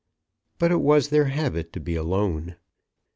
But it was their habit to be alone.